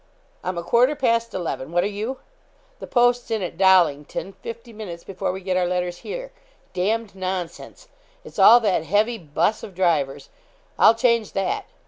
I'm a quarter past eleven what are you? The post's in at Dollington fifty minutes before we get our letters here. D d nonsense it's all that heavy 'bus of Driver's I'll change that.